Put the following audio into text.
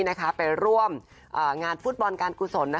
ไปร่วมงานฟุตบอลการกุศล